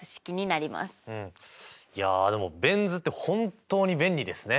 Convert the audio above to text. いやでもベン図って本当に便利ですね！